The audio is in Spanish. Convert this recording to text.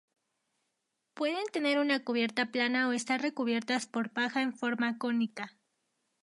Pueden tener una cubierta plana o estar recubiertas por paja, en forma cónica.